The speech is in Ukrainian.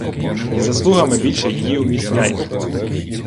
І заслугами більше її уміцняйте.